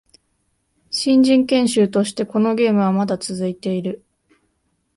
新人研修としてこのゲームはまだ続いている